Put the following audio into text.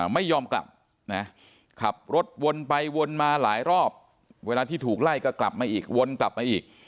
ไม่ยอมกลับนะขับรถวนไปวนมาหลายรอบเวลาที่ถูกไล่ก็กลับมาอีกวนกลับมาอีก